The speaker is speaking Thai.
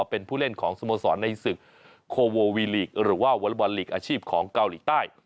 เป็นผู้เล่นของสโมสรในศึกโคโววีลีกหรือว่าวอลบอลลีกอาชีพของเกาหลีใต้